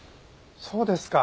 そうですか。